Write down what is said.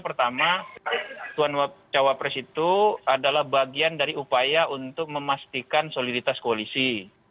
pertama cawapres itu adalah bagian dari upaya untuk memastikan soliditas koalisi